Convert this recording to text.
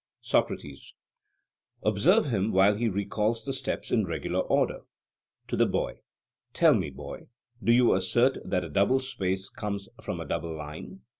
SOCRATES: Observe him while he recalls the steps in regular order. (To the Boy:) Tell me, boy, do you assert that a double space comes from a double line?